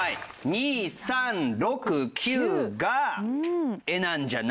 ２３６９が絵なんじゃないか。